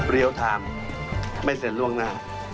เรียวไทม์ไม่เซ็นล่วงหน้า